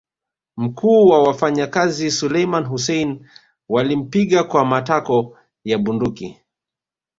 Mkuu wa wafanyikazi Suleiman Hussein walimpiga kwa matako ya bunduki